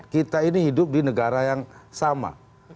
kita ini hidup di negara yang sama